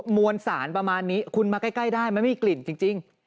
มวลสารประมาณนี้คุณมาใกล้ใกล้ได้ไม่มีกลิ่นจริงจริง